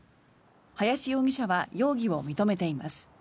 林容疑者は容疑を認めています。